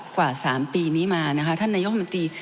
กว่า๓ปีนี้มานะคะท่านนายกมนตรี